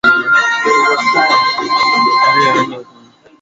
Tayari wakati huo Karume alikwishatembelea nchi za Japan Comoro Madagascar na China